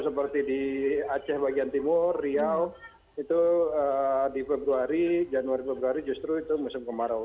seperti di aceh bagian timur riau itu di februari januari februari justru itu musim kemarau